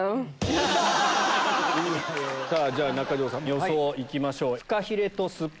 中条さん予想行きましょう。